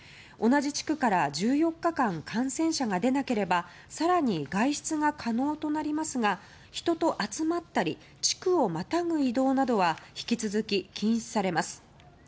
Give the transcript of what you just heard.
同じ地区から１４日間感染者が出なければ更に外出が可能となりますが人と集まったり地区をまたぐ移動などは引き続き禁止されます。